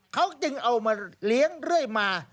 เขาจึงเอามาเลี้ยงเรื่อยมา